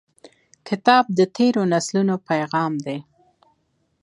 کتاب د تیرو نسلونو پیغام دی.